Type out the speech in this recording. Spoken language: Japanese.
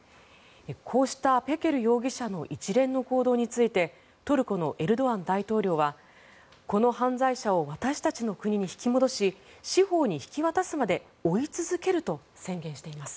こうしたペケル容疑者の一連の行動についてトルコのエルドアン大統領はこの犯罪者を私たちの国に引き戻し司法に引き渡すまで追い続けると宣言しています。